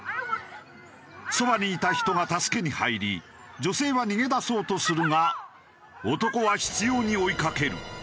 そばにいた人が助けに入り女性は逃げ出そうとするが男は執拗に追いかける。